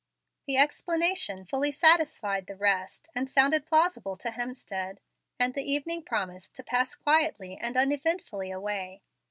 The explanation fully satisfied the rest, and sounded plausible to Hemstead; and the evening promised to pass quietly and uneventfully away.